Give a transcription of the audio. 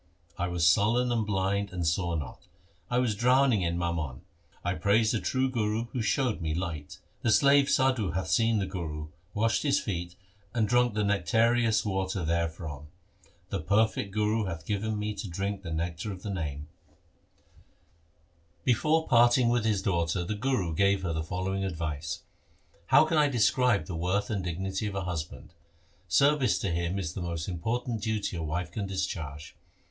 I was sullen, and blind, and saw not ; I was drowning in mammon. I praise the true Guru Who showed me light. The slave Sadhu hath seen the Guru, Washed his feet and drunk the nectareous water there from. The perfect Guru hath given me to drink the nectar of the Name. 1 Literally— tablet. LIFE OF GURU HAR GOBIND 95 Before parting with his daughter the Guru gave her the following advice, ' How can I describe the worth and dignity of a husband ? Service to him is the most important duty a wife can discharge.